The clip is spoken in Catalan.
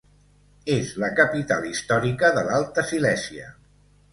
És la capital històrica de l'Alta Silèsia.